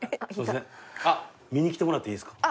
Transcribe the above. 見に来てもらっていいですか。